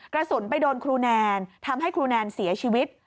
กระสุนไปโดนครูแนนทำให้ครูแนนเสียชีวิต